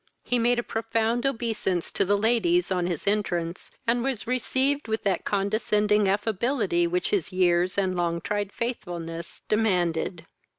He made a profound obeisance to the ladies on his entrance, and was received with that condescending affability which his years and long tried faithfulness demanded.